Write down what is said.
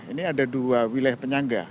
ini ada dua wilayah penyangga